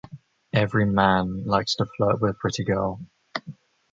Every man likes to flirt with a pretty girl.